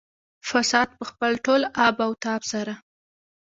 فساد په خپل ټول آب او تاب سره.